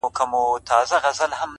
نو ژوند وي دغسي مفت يې در واخله خدایه”